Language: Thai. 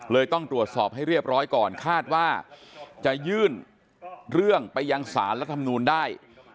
ต้องตรวจสอบให้เรียบร้อยก่อนคาดว่าจะยื่นเรื่องไปยังสารรัฐมนูลได้